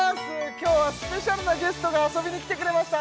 今日はスペシャルなゲストが遊びにきてくれました